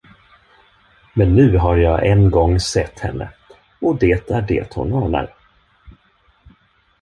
Men nu har jag en gång sett henne, och det är det hon anar.